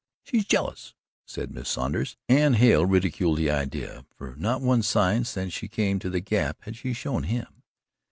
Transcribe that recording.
"She's jealous," said Miss Saunders, and Hale ridiculed the idea, for not one sign since she came to the Gap had she shown him.